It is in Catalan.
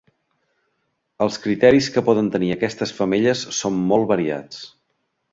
Els criteris que poden tenir aquestes femelles són molt variats.